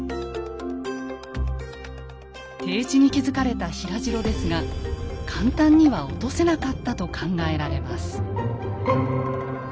低地に築かれた平城ですが簡単には落とせなかったと考えられます。